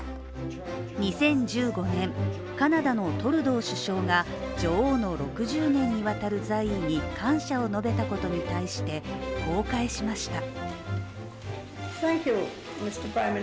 ２０１５年、カナダのトルドー首相が女王の６０年にわたる在位に、感謝を述べたことに対して、こう、返しました。